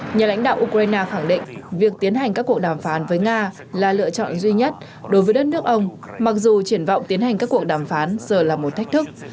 nhà lãnh đạo ukraine khẳng định việc tiến hành các cuộc đàm phán với nga là lựa chọn duy nhất đối với đất nước ông mặc dù triển vọng tiến hành các cuộc đàm phán giờ là một thách thức